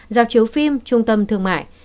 giáo chiếu phim trung tâm thương mại